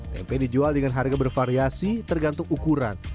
tempe dijual dengan harga bervariasi tergantung ukuran